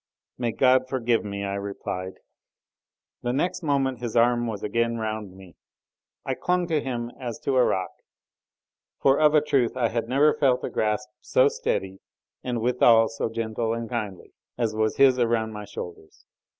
"May God forgive me," I replied. The next moment his arm was again round me. I clung to him as to a rock, for of a truth I had never felt a grasp so steady and withal so gentle and kindly, as was his around my shoulders.